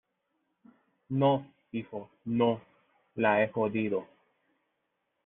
no, hijo , no. la he jodido .